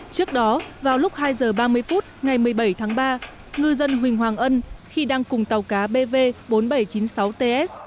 trước đó vào lúc hai h ba mươi phút ngày một mươi bảy tháng ba ngư dân huỳnh hoàng ân khi đang cùng tàu cá bv bốn nghìn bảy trăm chín mươi sáu ts